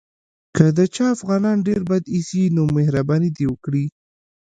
که د چا افغانان ډېر بد ایسي نو مهرباني دې وکړي.